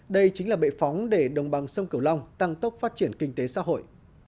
đây chính là bệ phóng để đồng bằng sông cửu long tăng tốc phát triển kinh tế xã hội